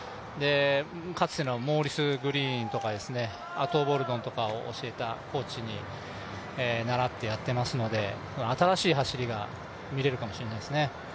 かつてのモーリス・グリーンとか教えたコートのもとでやっていますのでならってやっていますので新しい走りが見れるかもしれないですね。